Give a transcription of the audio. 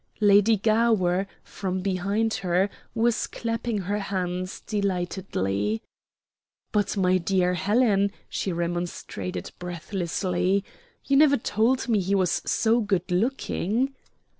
Lady Gower, from behind her, was clapping her hands delightedly. "But, my dear Helen," she remonstrated breathlessly, "you never told me he was so good looking."